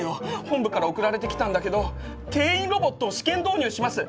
本部から送られてきたんだけど「店員ロボットを試験導入します！